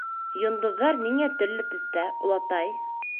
— Йондоҙҙар ниңә төрлө төҫтә, олатай?